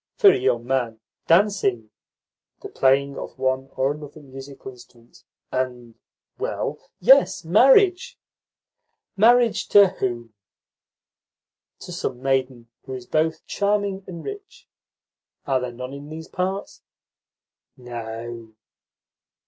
"For a young man, dancing, the playing of one or another musical instrument, and well, yes, marriage." "Marriage to whom?" "To some maiden who is both charming and rich. Are there none in these parts?" "No."